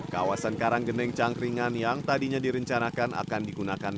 kawasan karanggeneng cangkringan yang tadinya direncanakan akan digunakan